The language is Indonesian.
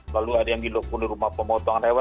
lalu ada yang dilukung di rumah pemotongan hewan